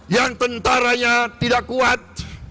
yang tentaranya tidak kuat